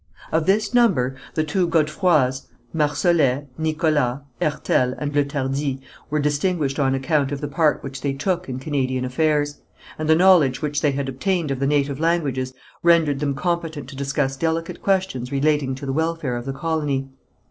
Of this number the two Godefroys, Marsolet, Nicolet, Hertel, and Le Tardif were distinguished on account of the part which they took in Canadian affairs; and the knowledge which they had obtained of the native languages rendered them competent to discuss delicate questions relating to the welfare of the colony.